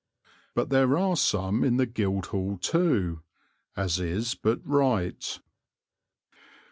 But there are some in the Guildhall, too, as is but right.